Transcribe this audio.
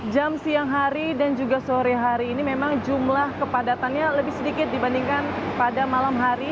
jam siang hari dan juga sore hari ini memang jumlah kepadatannya lebih sedikit dibandingkan pada malam hari